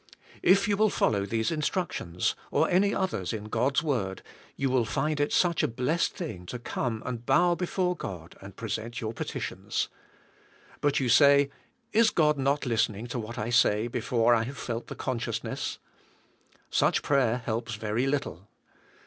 If you will 238 THE SPIRITUAL LIFE. follow these instructions, or any others in God's word, you will find it such a blessed thing to come and bow before God and present your petitions. But you say, *'Is God not listening to what I say before I have felt the consciousness." Such prayer helps very little.